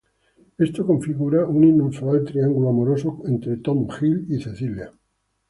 Esto configura un inusual triángulo amoroso entre Tom, Gil y Cecilia.